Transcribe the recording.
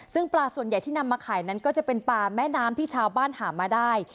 ซึ่งปลาส่วนใหญ่ที่นำมาขายนั้นก็จะเป็นปลาแม่น้ำที่ชาวบ้านหามาได้